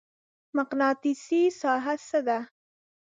مقناطیسي ساحه څه ده؟